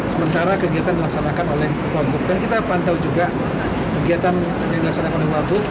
sementara kegiatan dilaksanakan oleh wakil gubernur dan kita pantau juga kegiatan yang dilaksanakan oleh wakil gubernur